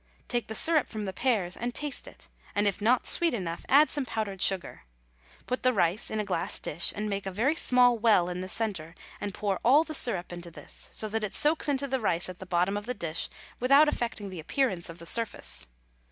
Take the syrup from the pears and taste it, and if not sweet enough add some powdered sugar. Put the rice in a glass dish, and make a very small well in the centre, and pour all the syrup into this, so that it soaks into the rice at the bottom of the dish without affecting the appearance of the surface.